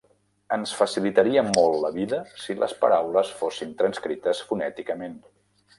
Ens facilitaria molt la vida si les paraules fossin transcrites fonèticament.